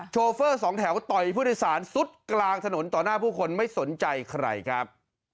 โฟสองแถวต่อยผู้โดยสารสุดกลางถนนต่อหน้าผู้คนไม่สนใจใครครับ